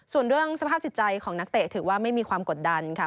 ส่วนเรื่องสภาพจิตใจของนักเตะถือว่าไม่มีความกดดันค่ะ